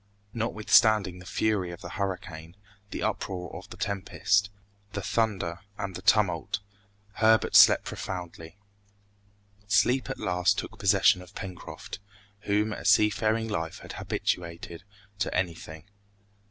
Notwithstanding the fury of the hurricane, the uproar of the tempest, the thunder, and the tumult, Herbert slept profoundly. Sleep at last took possession of Pencroft, whom a seafaring life had habituated to anything.